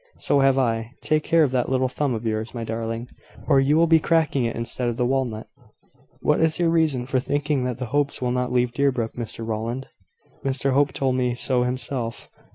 "So have I. Take care of that little thumb of yours, my darling, or you will be cracking it instead of the walnut." "What is your reason for thinking that the Hopes will not leave Deerbrook, Mr Rowland?" "Mr Hope told me so himself."